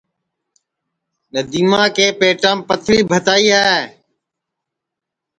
ندیما کے پیٹام پتھری بھتائی ہے